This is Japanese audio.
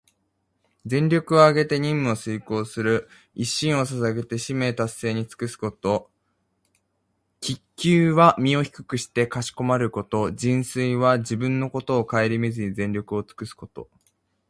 全力をあげて任務を遂行する、一身を捧げて使命達成に尽くすこと。「鞠躬」は身を低くしてかしこまること。「尽瘁」は自分のことをかえりみずに、全力をつくすこと。